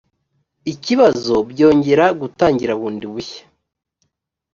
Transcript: ikibazo byongera gutangira bundi bushya